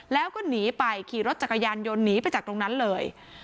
แล้วก็หนีไปขี่รถจักรยานยนต์หนีไปจากตรงนั้นเลย